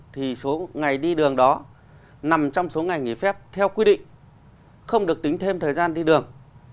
thì số ngày đi đường đó nằm trong số ngày nghỉ phép theo quy định không được tính thêm thời gian đi đường